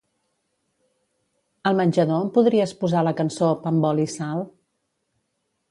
Al menjador em podries posar la cançó "Pa amb oli i sal"?